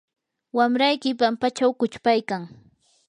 wamrayki pampachaw quchpaykan.